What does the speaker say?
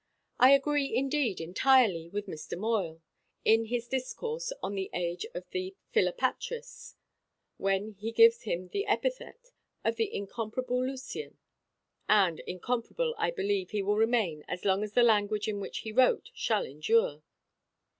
I agree, indeed, entirely with Mr. Moyle, in his Discourse on the age of the Philopatris, when he gives him the epithet of the incomparable Lucian; and incomparable, I believe, he will remain as long as the language in which he wrote shall endure.